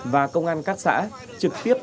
và công an các xã trực tiếp